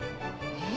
え？